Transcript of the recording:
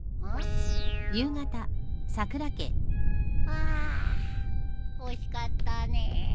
あ惜しかったね。